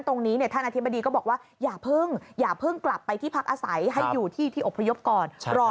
ตรงนี้ท่านอธิบดีก็บอกว่าอย่าเพิ่งกลับไปที่พักอาศัยให้อยู่ที่ที่อบพยพก่อนรอ